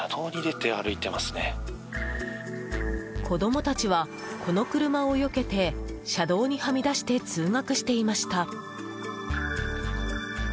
子供たちはこの車を避けて車道にはみ出して通学していました。